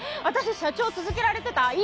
私社長続けられてた？